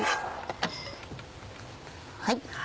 はい。